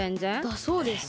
だそうです。